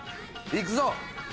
いくぞ！